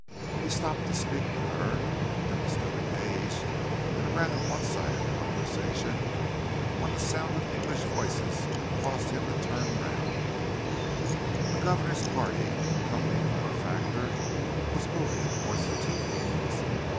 He had stopped to speak to her, and was still engaged in a rather one sided conversation, when the sound of English voices caused him to turn round. The governor's party, accompanied by the factor, was moving towards the tepees.